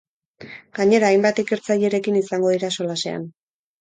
Gainera, hainbat ikertzailerekin izango dira solasean.